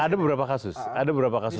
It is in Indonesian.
ada beberapa kasus ada beberapa kasus